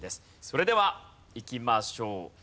それではいきましょう。